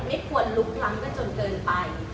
ไม่ควรลุกล้ำกันจนเกินไป